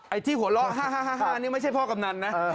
ที่หัวเราะ๕๕นี่ไม่ใช่พ่อกำนันนะ